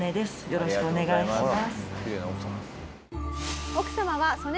よろしくお願いします。